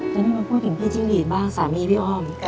แล้วนี่มาพูดถึงพี่จิ้งหลีดบ้างสามีพี่อ้อม